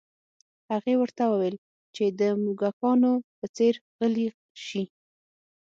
هغې ورته وویل چې د موږکانو په څیر غلي شي